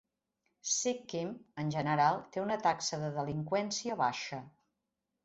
Sikkim, en general, té una taxa de delinqüència baixa.